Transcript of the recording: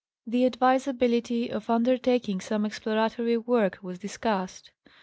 The advisability of undertaking some exploratory work was discussed.